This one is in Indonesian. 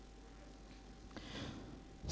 dan saya mencari penyelesaian